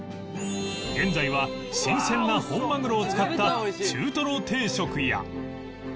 現在は新鮮な本まぐろを使った中とろ定食や